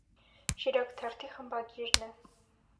«Շիրակ» թերթի խմբագիրն է։